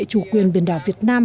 chủ quyền biển đảo việt nam